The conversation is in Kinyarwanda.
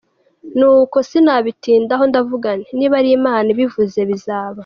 Nuko sinabitindaho ndavuga nti: “niba ari Imana ibivuze bizaba.